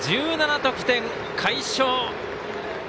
１７得点、快勝！